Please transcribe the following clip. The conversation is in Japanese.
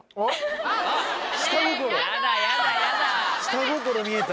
下心見えた。